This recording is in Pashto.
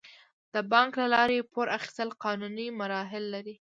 د بانک له لارې پور اخیستل قانوني مراحل لري.